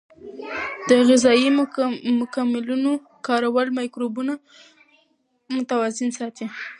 د غذایي مکملونو کارول مایکروبونه متوازن ساتي.